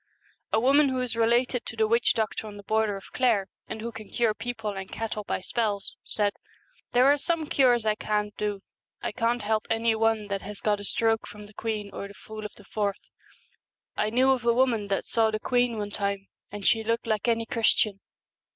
A woman who is related to the witch doctor on the border of Clare, and who can cure people and cattle by spells, said, ' There are some cures I can't do. I can't help any one that has got a stroke from the queen or the fool of the forth. I knew of a woman that saw the queen one time, and she looked like any Chris tian.